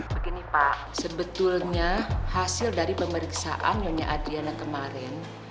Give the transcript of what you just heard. begini pak sebetulnya hasil dari pemeriksaan nyonya adriana kemarin